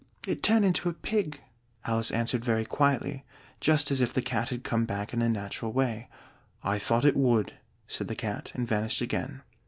"It turned into a pig," Alice answered very quietly, just as if the Cat had come back in a natural way. "I thought it would," said the Cat, and vanished again.